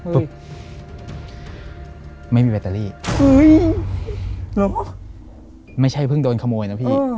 ปุ๊บไม่มีแบตเตอรี่เฮ้ยหรอไม่ใช่เพิ่งโดนขโมยนะพี่